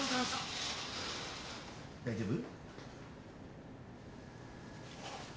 大丈夫？